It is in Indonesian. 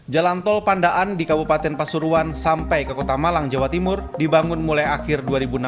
jalan tol pandaan di kabupaten pasuruan sampai ke kota malang jawa timur dibangun mulai akhir dua ribu enam belas